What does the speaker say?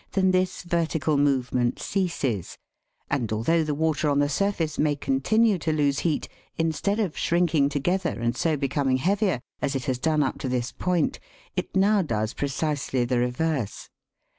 than this vertical movement ceases ; and although the water on the surface may continue to lose heat, instead of shrinking to gether, and so becoming heavier, as it has done up to this point, it now does precisely the reverse.